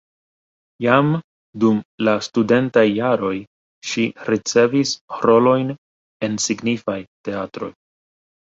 Jam dum la studentaj jaroj ŝi ricevis rolojn en signifaj teatroj.